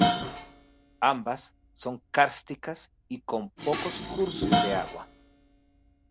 Ambas son kársticas y con pocos cursos de agua.